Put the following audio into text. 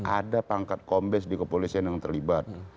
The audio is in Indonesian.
ada pangkat kombes di kepolisian yang terlibat